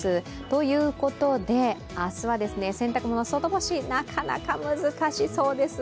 ということで、明日は洗濯物、外干しなかなか難しそうです。